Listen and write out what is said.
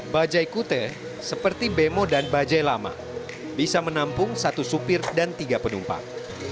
bajai kute seperti bemo dan bajai lama bisa menampung satu supir dan tiga penumpang